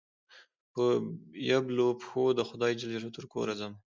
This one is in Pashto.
په يبلو پښو دخدای ج ترکوره ځمه